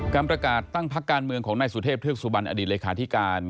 การประกาศตั้งพักการเมืองของนายสุเทพเทือกสุบันอดีตเลขาธิการ